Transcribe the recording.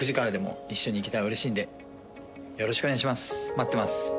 「待ってます」